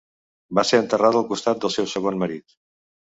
Va ser enterrada al costat del seu segon marit.